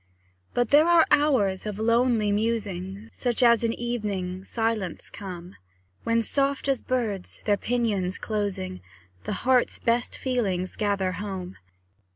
But there are hours of lonely musing, Such as in evening silence come, When, soft as birds their pinions closing, The heart's best feelings gather home.